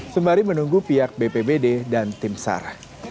sembari menunggu pihak bpbd dan timsar